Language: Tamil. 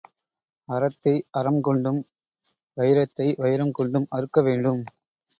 அரத்தை அரம் கொண்டும் வயிரத்தை வயிரம் கொண்டும் அறுக்க வேண்டும்.